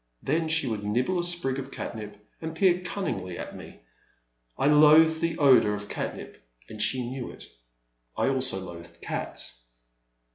*' Then she would nibble a sprig of catnip and peer cunningly at me. I loathed the odour of catnip and she knew it. I also loathed cats.